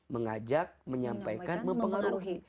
mengajak menyampaikan mempengaruhi